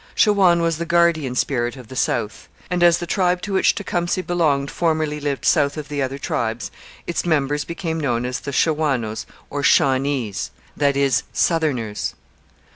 Shawan was the guardian spirit of the South; and, as the tribe to which Tecumseh belonged formerly lived south of the other tribes, its members became known as Shawanoes, or Shawnees that is, Southerners.